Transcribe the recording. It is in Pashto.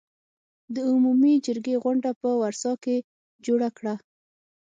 د عمومي جرګې غونډه په ورسا کې جوړه کړه.